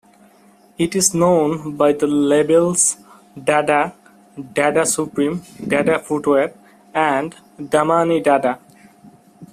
It is known by the labels "Dada", "Dada Supreme", "Dada Footwear" and "Damani Dada".